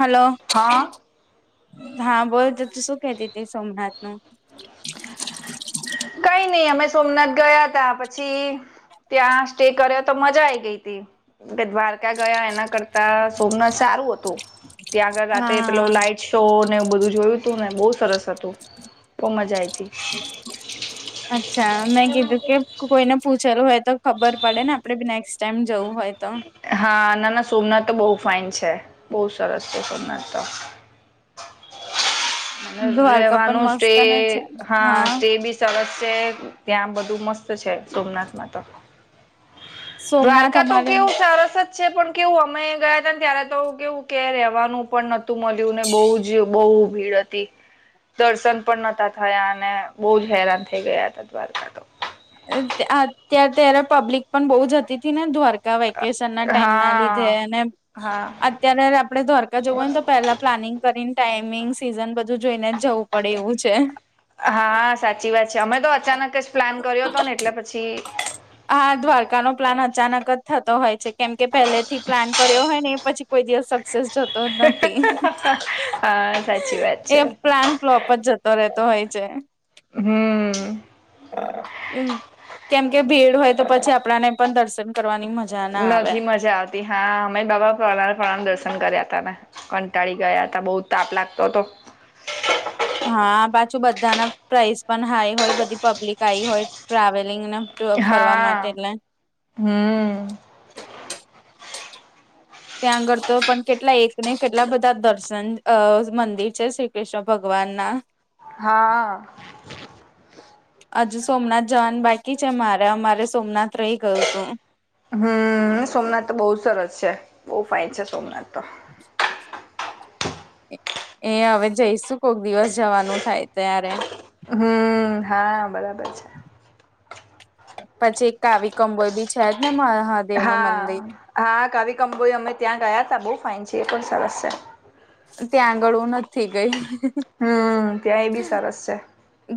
Hello હા હા બોલતો તું શું કતી હતી સોમનાથ નુ કઈ નઈ અમે સોમનાથ ગયા તા પછી ત્યાં સ્ટે કર્યો તો મજા આઈ ગઈ હતી. દ્વારકા ગયા એના કરતા સોમનાથ સારું હતું ત્યાં આગળ રાત્રે પેલો હા લાઈટ શો ને એું બધું જોયું તું ને બહુ સરસ હતું બહ મજા આઈ હતી. અચ્છા મેગ કે કોઈને પૂછેલું હોય તો ખબર પડે ને આપડે બી નેક્સ્ટ ટાઈમ જવું હોય, તો હા ના ના સોમનાથ તો બહુ ફાઇન છે બહુ સરસ છે, સોમનાથ તો [inaudible] દ્વારકા પણ રેવાનું છે મસ્ત ને હા તે બી સરસ છે ત્યાં બધું મસ્ત છે, સોમનાથમાં તો સોમનાથ દ્વારકા તો અમારે કેવું સરસવ છે પણ કેવું અમે ગયા હતા, ને ત્યારે તો કેવું કે રવાનું પણ નતું મળ્યું ને બહુજ જે બહુ ભીડ હતી. દર્શન પણ નતા થયા, અને બહુ જ હેરાન થઈ ગયા હતા દ્વારકા તો અત્યારે ત્યારે પબ્લિક પણ બહુ જતી હતી ને દ્વારકા વેકેશન ના ટાઈમ ના લીધે હા અને હા અત્યારે આપડે દ્વારકા જવું હોયને તો પેલા પ્લાનિંગ કરીને ટાઈમિંગ સિઝન બધું જોઈને, જ જવું પડે એવું છે. હા સાચી વાત છે, અમે તો અચાનક જ પ્લાન કર્યો હતો ને એટલે પછી હા દ્વારકા નો પ્લાન અચાનક જ થતો હોય છે, કેમ કે પહેલે થી પ્લાન કર્યો હોય ને પછી કોઈ દિવસ સક્સેસ જતો નથી હા સાચી વાત એ છે પ્લાન લોલોપ જ જતો રહેતો હોય છે. હમ્મ કેમ કે ભીડ હોય તો પછી આપણા ને પણ દર્શન કરવાની મજા ના આવે. નથી મજા આવતી હા, અમે બાબા પ્રણા પ્રણા દર્શન કર્યા ત ને કંટાળી ગયા હતા બહુ તાપ લાગતો હતો. હા પાછું બધાના પ્રાઇસ પણ હાઈ હોય, બધી પબ્લિક આઈ હોય ટ્રાવેલિંગ ના હા હમ્મ ત્યાં આગળ તો પણ કેટલા એક ને કેટલા બધા દર્શન મંદિર છે. કૃષ્ણ ભગવાન ના હા હજુ સોમનાથ જવાનું બાકી છે, મારે અમારે સોમનાથ રહી ગયુ તુ હમ સોમનાથ તો બહુ સરસ છે બહુ ફાય છે સોમનાથ તો હમ્મ એ હવે જઈશું કોક દિવસ જવાનું થાય ત્યારે હમ હા બરાબર છે. પછી એક કાવીિકંબોય બી છેજ, ને નું હા મંદિર હા કાવિકંબોઈ અમે ત્યાં ગયા ત બહુ ફાઇન છી એ પણ સરસ છે. ત્યાં આગળ હું નથી ગઈ હમ ત્યાં એ બી સરસ છે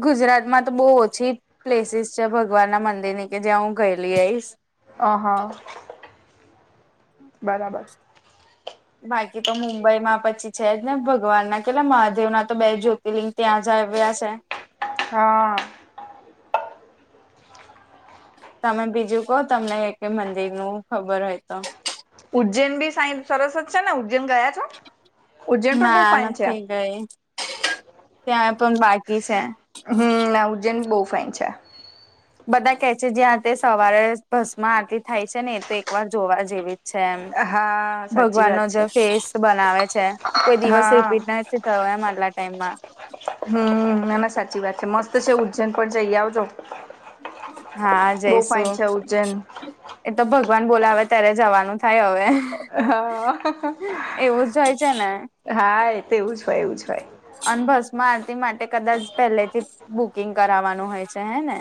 ગુજરાત માં તો બહુ ઓછી પ્લેસીિસ છે ભગવાન ના મંદિર ની કે જ્યાં હું ગયેલી આઈશ હ હા બરાબર બાકી તો મુંબઈમાં પછી છે જ ને ભગવાન ના કેટલા મહાદેવ ના તો બે જો તેલિ ત્યાં જ્યા છે. હા. તમે બીજું કહો તમને એકેય મંદિર નું ખબર હોય તો. ઉજ્જૈન ભી સાઇન સરસ જ છે ને ઉજ્જૈન ગયા છો. ઉજ્જૈન પણ બહુ ના ફાઇન છે નથી ગઈ ત્યાં તો બાકી છે. હમ ના ઉજ્જૈન બહુ ફાઇન છે. બધા કે છે જ્યાં તે સવારે ભસ્મ આરતી થાય છે ને તો એક વાર જોવા જેવી. છે એમ હા સાચી ભગવાન નો વાત જે છે ફેસ બનાવે છે. કોઈ દિવસ હા રિપીટ નથી થયો એમ આટલા ટાઈમમાં. હમ ના ના સાચી વાત છે મસ્ત છે ઉજ્જૈન પણ જઈ આવજો. હા બહુ ફાઇન જઈશું. છે ઉજ્જૈન એ તો ભગવાન બોલાવે ત્યારે જવાનું થાય હવે. હા એવું જ હોય છે ને. હા એ તો એવું જ હોય એવું જ હોય. અને ભસ્મ આરતી માટે કદાચ પહેલેથી જ બુકિંગ કરાવવાનું હોય છે હે ને.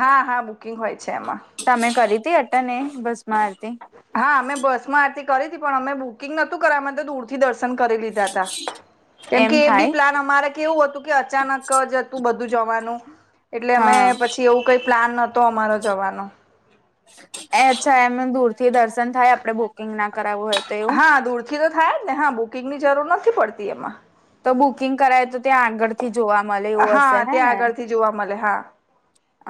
હા હા બુકિંગ હોય છે એમાં. તમે કરી હતી અટેન એ ભસ્મ આરતી. હા અમે ભસ્મ આરતી કરી હતી પણ અમે બુકિંગ નતું કરાવ્યું અમે તો દૂર થી દર્શન કરી લીધા હતા. કેમકે એમ એ થાય બી પ્લાન અમારે કેવું હતું કે અચાનક જ હતું બધું જવાનું. એટલે અમે હા પછી એવું કંઈ પ્લાન નહોતો અમારો જવાનો. એ અચ્છા એમ દૂર થી દર્શન થાય આપડે બુકિંગ ના કરાવવું હોય તો. હા દૂર થી તો થાય જ ને હા બુકિંગ ની જરૂર નથી પડતી એમાં. તો બુકિંગ કરાય તો ત્યાં આગળ થી જોવા મળે એવું હશે હા હે ત્યાં ને. આગળથી જોવા મળે હા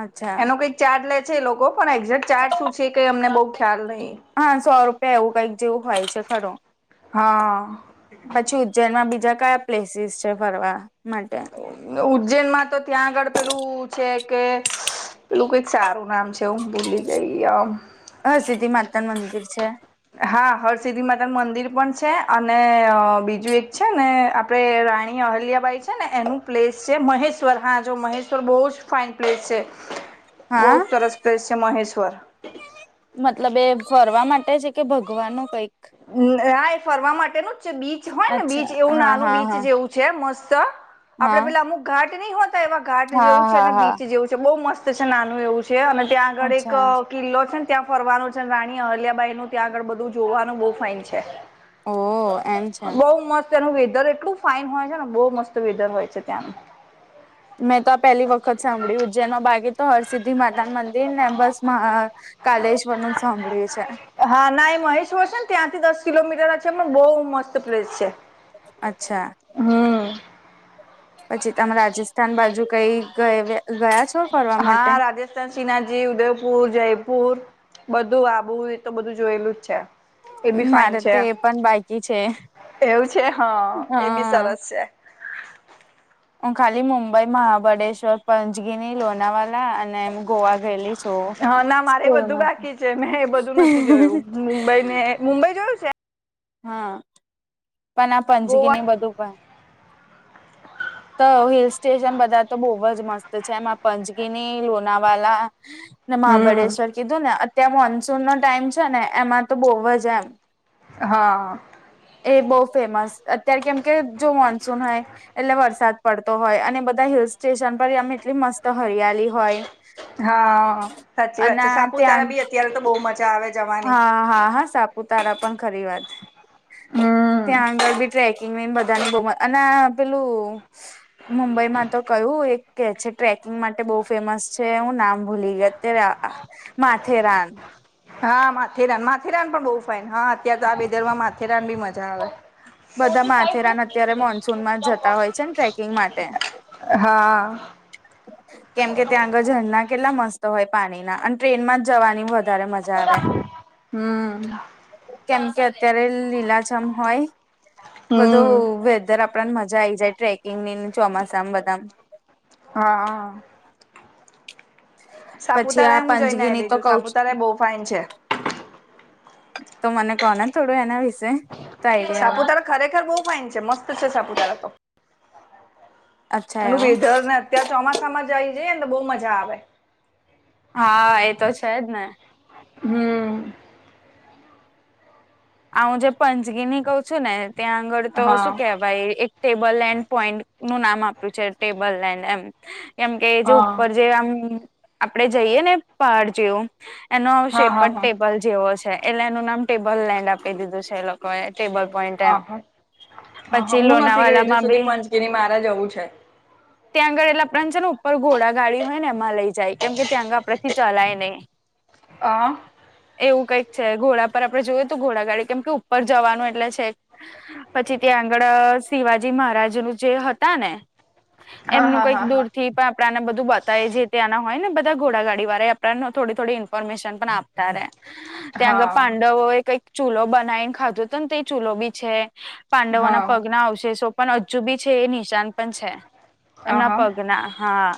અચ્છા એનો કઈ ચાર્જ લે છે એ લોકો પણ એે. ચાર્જ શું છે એ કઈ અમને બહુ ખ્યાલ નહી. હા સો રૂપિયા એવું કઈક જેવું હોય છે ખરું હા. પછી ઉજ્જૈનમાં બીજા કયા પ્લેસીસ છે ફરવા માટે. ઉજ્જૈન માં તો ત્યાં આગળ પેલું છે કે. પેલું કંઈક સારું નામ છે હું ભૂલી ગઈ આમ. હરસિધ્ધિ માતા ન મંદિર છે. હા હરસિદ્ધિ માતા નું મંદિર પણ છે અને બીજું એક છે ને. આપણે રાણી અહલિયાબાઈ છે ને એનું પ્લેસ છે મહેશ્વર હા જો મહેશ્વર બહુ જ ફાઇન પ્લેસ છે. [inaudible] બહુ જ સરસ પ્લેસ છે મહેશ્વર. મતલબ એ ફરવા માટે છે કે ભગવાન નું કઈક. હા એ ફરવા માટેનું જ છે બીચ હોય ને અચ્છા બીચ એવું હા નાનું હા બીચ હા જેવું છે. છે મસ્ત આપડે હા પેલા અમુક ઘાટ નહી હોતા એવા ઘાટ હા જેવું છે હા અને હા બીચ જેવું છે બહુ મસ્ત. સ્ત નાનું એવું છે અને ત્યાં આગળ એક અચ્છા કિલ્લો છે. ત્યાં ફરવાનું છે રાણી અહલિયાબાઈ નું ત્યાં આગળ બધું જોવાનું બહુ ફઇન છે. ઓ એમ છે બહુ મસ્ત એનું વેધર એટલું ફાઈન હોય છે ને બહુ મસ્ત વેધર હોય છે ત્યાંનું. મેં તો આ પેલી વખત સાંભળ્યું ઉજ્જૈનમાં બાકી તો હરસિદ્ધિ માતા મંદિર ને બસ મહા. કાલેશ્વર નું સાંભળ્યું છે. હા ના એ મહેશ્વર છે ને ત્યાંથી દસ કિલોમીટર છે પણ બહુ મસ્ત પ્લેસ છે. અચ્છા. હમ પછી તમે રાજસ્થાન બાજુ કઈ ગ ગયા છો. ફરવા માટે? હા રાજસ. શ્રીનાથજી ઉદયપુર જયપુર બધું આબુ એતો બધું જોયેલું જ છે. એ બી ફાઈન મારે છે તો એ પણ બાકી છે. એવું છે હા એ બી હા સરસ છે. હું ખાલી મુુંબઈ મહાબલેશ્વર. પંચગીની લોનાવાલા અને એમ ગોવા ગયેલી છું હા ના મારે બધું સ્કૂલમાંથી. બાકી મેં એ બધું નથી જોયું મુંબઈ ને મુંબઈ જોયું છે. હા પણ આ ગોવા પંજગીની બધું પણ તો હિલ સ્ટેશન બધા તો બહુ જ મસ્ત છે એમાં પંચગીની લોનાવાલા ને હમ મહાબળેશ્વર કીધું ને અત્યારે મોનસૂન નો ટાઈમ છે ને એમાં તો બહવ જ એમ હા એ બહુ ફેમસ અત્યારે કેમ કે જો મોનસૂન હોય એટલે વરસા વરસાદ પડતો હોય અને બધા હિલ સ્ટેશન પર આમ એટલી મસ્ત હરિયાળ હોય હા સાચી વાત અને છે સાપુતારા ત્યાં બી અત્યારે તો બહુ મજા આવે જવાની હા હા હા સાપુતારા પણ ખરી વાત હમ ત્યાં આગળ બી ટ્રેકિંગ ને બધાને બહુમત અને પેલું મુંબઈમાં તો કયું એક કે છે ટ્રેકિંગ માટે બહુ ફેમસ છે હું નામ ભૂલી ગયો તે માથે રાન હા માથેરાન માથેરાન પણ બહ ફાઈન હા અત્યારે તો આ બેદરમાં માથેરાન બી મજા આવે બધા માથેરાન અત્યારે ફ મોનસૂનમાં ટ જતા હોય છે ને ટ્રેકિંગ માટે [unintelligible] હા કેમકે ત્યાં આગળ ઝરણા કેટલા મસ્ત હોય પાણીના અને ટ્રેનમાં જવાની વધ તારે મજા આવે હમ કેમ કે અત્યારે લીલાજામ હોય હમ બધું વેધર આપ આપ મજા આ આવી જાય ટ્રેકિંગ ની ચોમાસામ બધામ હા પછી સાપુતારા એ આ હું જઈને પંચગીની આવેલી તો કઉ છું સાપુતારા એ બહુ ફાઇન છે તો મને કો થોડું એના વિશે તો આઈડિયા સાપુતારા આવે ખરેખર બહુ ફાઇન છે મસ્ત છે સાપુતારા તો અચ્છા એનું એવું વેધર ને અત્યારે ચોમાસામાં જ આવી જાય ને બહુ મજા આવે હા એ તો છે જ ને હમ હું જે પંચગીની કઉ છું ને ત્યાં આગળ તો હા શું કેવા ભાઈ એક ટેબલ લેન્ડ પોઈન્ટ નું નામ આપ્યું છે ટેબલ લેન્ડ એમ કેમ કે એ જે હા ઉપર જે આમ આપડે જઈએ ને પહાડ જેવું એનો હા હા શેપડ હા ટેબલ જેવો છે એટલે એનું નામ ટેબલ લેન્ડ આપી દીધું છે એ લોકો એ ટેબલ પોઈન્ટ એમ હા હા હા હા પછી હું નથી ગઈ હજુ લોનાવાલામાં સુધી બી પંચગીરી મારે જવું છે [inaudible] ત્યાં આગળ એટલા પ્રાંત છે ને ઉપર ઘોડા ગાડી હોય ને એમાં લઈ જાય કેમ કે ત્યાં આગળ આપડેથી ચલાય નહીં. [inaudible] હ. એવું કઈક છે ઘોડા પર આપડણે જોયું તો ઘોડા ગાડી કેમ કે ઉપર જવાનું એટલે છે. પછી ત્યાં આગળ શિવાજી મહારાજ ન જે હતા ને- - હા એમનું હા કઈક દૂર હા થી પા- - આપણાને બધું બતાય જે તે્યાંના હોય ને બધા ઘોડાગાડી વાળ આપને થોડી થોડી ઇન્ફોર્મેશન પણ આપતા રહેે. ત્યાં આગળ હા પાંડવો એ કઈક ચૂલો બનાવીને ખાધું હત ને તે ચૂલો બી છે. પાંડવના હા હા પગના આવશે શો પણ હજુ બી છે એ નિશાન પણ છે. એમના આહા પગના હા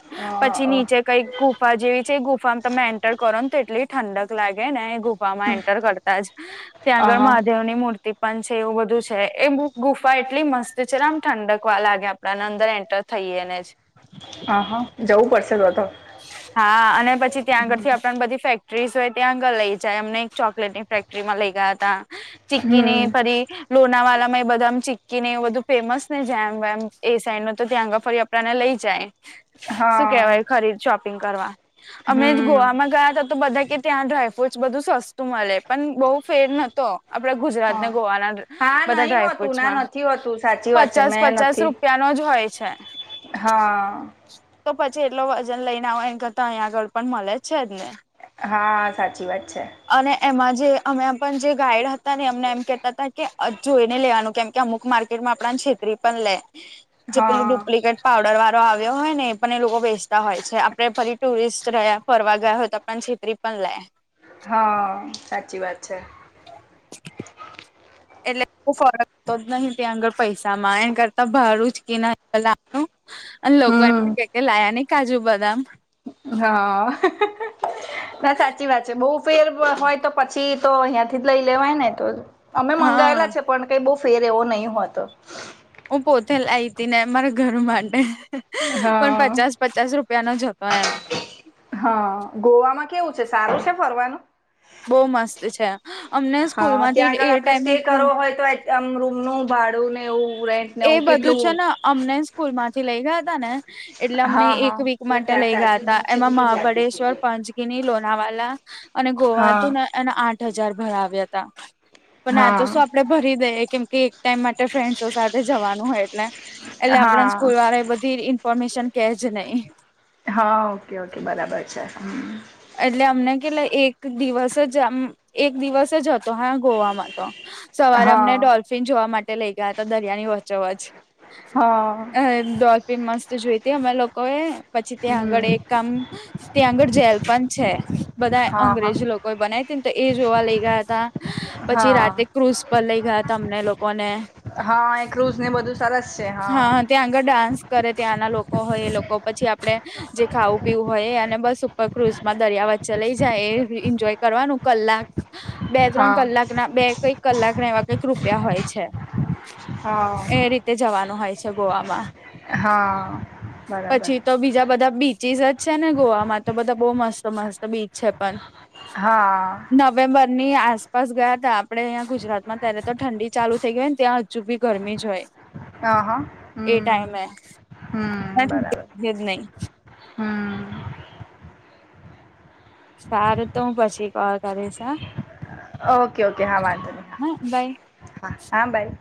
પછી અ નીચે કઈક- - ગુફા જેવી છે એ ગુફામાં તમે એન્ટર કરો ને તો એટલી ઠંડક લાગે ને એ ગુફ- - ર કરતા જ ત્યાં આહા આગળ- - દેવ ની મૂર્તિ પણ છે એવું બધું છે એ બ ગુફા એટલી મસ્ત છે આમ ઠંડકવા લાગેમ- - આપડાને અંદર એન્ટર થઈએને જ. હા હા જવું પડશે તો વધ. હા અને પછી ત્યાં આગળ થી આપડ બધી ફેક્ટરીસ હોય ત્યાં આગળ લઈ જાય અમને એક ચોકલેટ ની ફેક્ટ- - માં લઈ ગયા ત ચિકકી ની હમ પરી- - લોનાવાલામાં એ બદામ ચિક્કી ને એવું બધું ફેમસ ને જેમ એમ એ સાઈડ ન તો ત્યાં આગળ ફરી આપણાને લઈ જાય. શું હા કેવાય ખરીદ શોપિંગ કરવા? અમે હમ ગોવામાં ગયા હતા તો બધા કે ત્યાં ડ્રાયફ્રૂટ બધું સસ્તું મળે, પણ બહુ ફેર નતો. આપડા ગુજરાતને હા ગોવાના હા બધા નહી હોતું ના ડ્રાયફ્રૂટસમાં નથી હોતું સાચી વાત છે પચાસ મેં પચાસ નથી રૂપિયા [inaudible] જ હોય છે. હા. તો પછી એટલો વજન લઈને આવ એ કરતા અહીંયા આગળ પણ મળે છે જ ને? હા સાચી વાત છે. અને એમાં જે અમે પણ જે ગાઈડ હતા ને અમને એમ કેહેતા હતા કે જોઈને લેવાનું કેમ કે અમુક માર્ક- - માં આપણાને છેતરી પણ લે જે પેલું હા ડુપ્લિકેટ પાવડર વાળો આવ્યો હોય ને એ પણ એ લોકો બેચતા હોય છે. આપણે ફરી ટુરિસ્ટ રહ્યા ફરવા ગયા હોય તો પણ છેતરી- - પણ લે. હા સાચી વાત છે. એટલે ફરક તો જ નહી ત્યાં આગળ પૈસા માં એ કરતા ભારું જ કે ન- - અને લોકો એને હમ કે કે લાયા નહી કાજુ, બદામ. હા ના સાચી વાત છે બહ ફેર હોય તો પછી તો અહિયાં થી જ લઈ લેવાય ને તો અમે હા મંગાયેલા છે પણ કઈ બહ ફેર એવો નહીં હો તો. હું પોતે લ આવી ત ને મારા ઘર માટે પણ હા પચાસ- - પચાસ રૂપિયાનો જ હતો એમ. હા ગોવામાં કેવું છે સારું છે ફરવાનું? બહુ મસ્ત છે અમને સ્કૂલ હા ત્યાં માંથી એ આગળ આપડે ટાઈમે- સ્ટે કરવો - હોય તો આમ રૂમનું ભાડું ને એવું રેન્ટ ને એ એવું બધું છે કેટલું ને અમને સ્કૂલ માંથી લઇ ગયા તા ને એટલે અમને હા એક હા વીક માટે લઈ ગયા હતા એમાં મહાબળેશ્વર પંચ ગીની લોનાવાલા અને ગોવા હા હતું એના આઠ હજાર ભરાવ્યા હતા. પણ આ તો શું હા આપડે ભરી દઈએ કેમ કે એક ટાઈમ માટે ફ્રેન્ડસો સાથે જવાનું હોય એટલે, એટલે આપણે હા સ્કૂલ વાળા એ બધી ઇન્ફોર્મેશન કેજ નહી. હા ઓકે ઓકે બરાબર છે. એટલે અમને કેટલા એક દિવસ જ આમ એક દિવસે જ હતો હા ગોવામાં તો. સવારે અમને હા ડોલ્ફિન જોવા માટે લઈ ગયા હતા દરિયાની વચોવચ. હા હ ડોલફીન મસ્ત જોઈતી અમે લોકો એ પછી ત્યાં આગળ હમ એક કામ ત્યાં આગળ જેલ પણ છે બધા હા અંગ્રેજી લોકો બનાયી તી ને તો એ જોવા લઈ ગયા હતા. હા પછી રાતે હા ક્રુઝ પર લઇ ગયા તમને લોકોને હા એ ક્રુઝ ને બધું સરસ છે. હા ત્યાં આગળ ડાન્સ કરે ત્યાંના લોકો હોય એ લોકો પછી આપડે જે ખાવું પીવું હોય અને બસ ઉપર ક્રુઝમાં દરિયા વચ્ચે લઈ જાય એન્જોય કરવાનું કલાક બે ત્રણ હા કલાકના બે કંઈક કલાકના એવા કઈક રૂપિયા હોય છે. હા એ રીતે જવાનું હોય છે ગોવામાં. હા બરાબર પછી તો બીજા બધા બીચ ચીઝ જ છે ને ગોવામાં તો બધા બહુ મસ્ત મસ્ત બીચ છે પણ, હા નવેમ્બરની આસપાસ ગયા હતા આપણે અહીંયા ગુજરાતમાં ત્યારે તો ઠંડી ચાલુ થઈ ગઈ ને ત્યાં ચૂપી ગરમી જ હોય. હ હા એ ટાઈમ હમ હમ બરાબર હે [inaudible] ન હમ સાર તો હું પછી કોલ કરીશ. ઓકે ઓકે હા વાંધો નહી, હા હા હા બાય